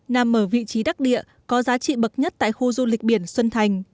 nằm ở vị trí đắc địa có giá trị bậc nhất tại khu du lịch biển xuân thành